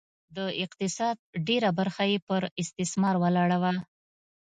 د اقتصاد ډېره برخه یې پر استثمار ولاړه وه